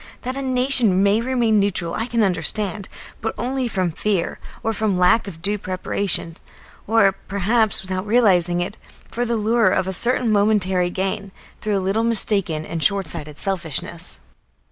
That a nation may remain neutral I can understand, but only from fear, or from lack of due preparation, or perhaps, without realising it, for the lure of a certain momentary gain, through a little mistaken and shortsighted selfishness.